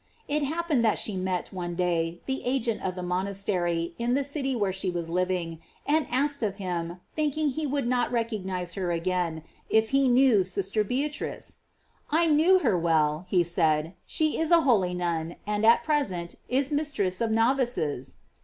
It happened that she met, one day, the agent of the monastery in the city where she was living, and asked of him, thinking he would not recognize her again, if he knew sister Bea trice? "I knew her well," he said: "she is a holy nun, and at present is mistress of novices."